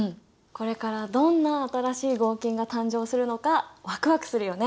これからどんな新しい合金が誕生するのかワクワクするよね！